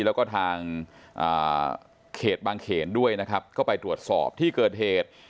แล้วก็ทางเขตบางเขนด้วยนะครับก็ไปตรวจสอบที่เกิดเหตุ